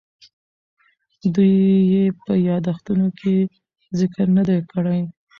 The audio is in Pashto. دوی یې په یادښتونو کې ذکر نه دی کړی.